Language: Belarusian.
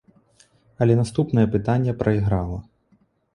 Але наступнае пытанне прайграла.